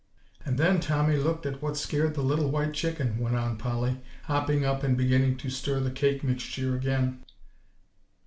"And then Tommy looked at what scared the little white chicken," went on Polly, hopping up and beginning to stir the cake mixture again.